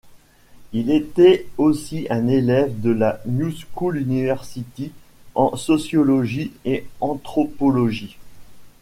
Il était aussi un élève de la New School University en sociologie et anthropologie.